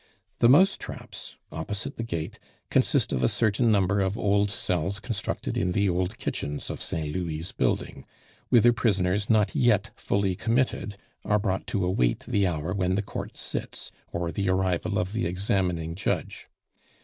The "mousetraps," opposite the gate, consist of a certain number of old cells constructed in the old kitchens of Saint Louis' building, whither prisoners not yet fully committed are brought to await the hour when the Court sits, or the arrival of the examining judge.